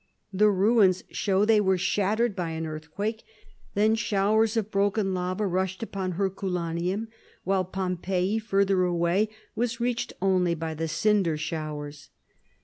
The ruins show they were shattered by an earthquake. Then showers of broken lava rushed upon Herculaneum; while Pompeii, farther away, was reached only by the cinder showers.